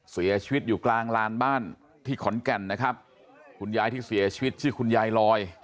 เสียชีวิตอยู่กลางลานบ้านที่ขอนแก่นนะครับคุณยายที่เสียชีวิตชื่อคุณยายลอย